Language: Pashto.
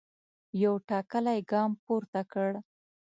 یو ټاکلی ګام پورته کړ.